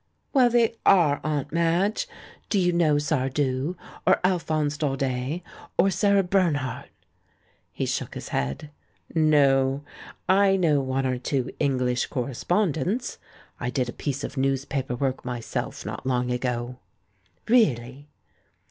"Well, they are, Aunt ^ladge. ... Do you know Sardou, or Alphonse Daudet, or Sarah Bernhardt?" He shook his head. "No. I know one or two English correspond ents. I did a piece of newspaper work myself not long ago." "Really?"